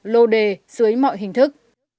lô đề xưới mọi hình thức